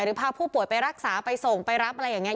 พาผู้ป่วยไปรักษาไปส่งไปรับอะไรอย่างนี้